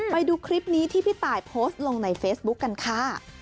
ไปดูคลิปนี้ที่พี่ตายโพสต์ลงในเฟซบุ๊คกันค่ะ